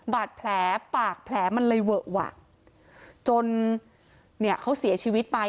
บาดแผลปากแผลมันเลยเวอะหวะจนเนี่ยเขาเสียชีวิตไป